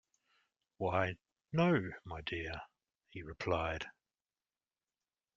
"Why, no, my dear," he replied.